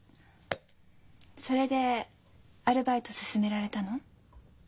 それでアルバイト勧められたの？